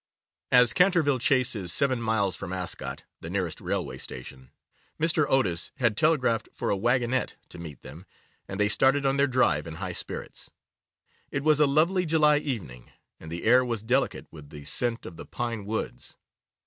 As Canterville Chase is seven miles from Ascot, the nearest railway station, Mr. Otis had telegraphed for a waggonette to meet them, and they started on their drive in high spirits. It was a lovely July evening, and the air was delicate with the scent of the pine woods.